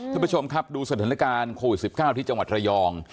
ที่ประชมดูสถานการณ์โควิด๑๙ที่จังหวัดระยอง